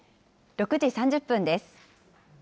６時３０分です。